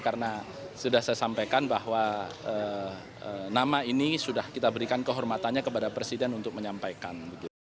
karena sudah saya sampaikan bahwa nama ini sudah kita berikan kehormatannya kepada presiden untuk menyampaikan